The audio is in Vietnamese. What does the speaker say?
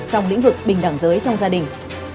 trong lĩnh vực bình đẳng giới trong gia đình